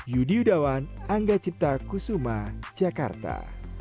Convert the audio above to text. yudi yudawan angga cipta kusuma jakarta